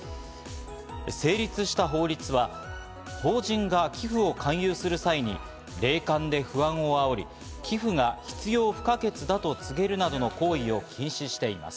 成立した法律は法人が寄付を勧誘する際に霊感で不安をあおり、寄付が必要不可欠だと告げる等の行為を禁止しています。